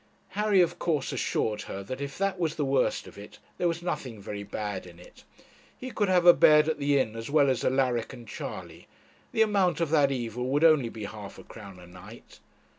Harry of course assured her that if that was the worst of it there was nothing very bad in it. He could have a bed at the inn as well as Alaric and Charley. The amount of that evil would only be half a crown a night.